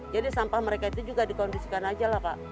jadi sampah mereka itu juga dikondisikan aja lah pak